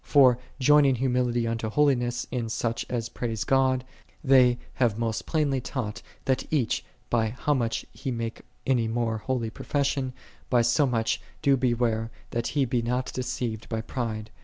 For joining humility unto holiness in such as praise God, they have most plainly taught, that each, by how much he make any more holy profession, by so much do beware that he be not deceived by pride.